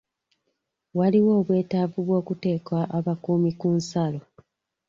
Waliwo obweetavu bw'okuteeka abakuumi ku nsalo.